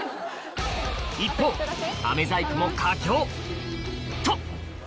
一方飴細工も佳境と！